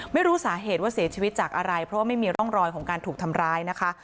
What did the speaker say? ไม่รู้สาเหตุว่าเสียชีวิตจากอะไรเพราะว่าไม่มีร่องรอยของการถูกทำร้ายนะคะ